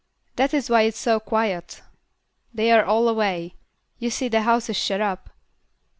That is why it's so quiet. They are all away. You see the house is shut up."